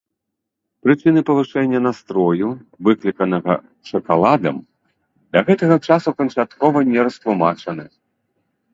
Прычыны павышэння настрою, выкліканага шакаладам, да гэтага часу канчаткова не растлумачаны.